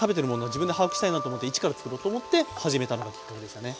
自分で把握したいなと思って一からつくろうと思って始めたのがきっかけでしたね。